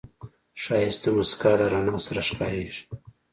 ښایست د موسکا له رڼا سره ښکاریږي